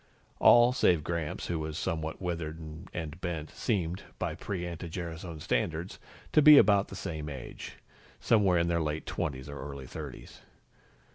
All save Gramps, who was somewhat withered and bent, seemed, by pre anti gerasone standards, to be about the same age somewhere in their late twenties or early thirties.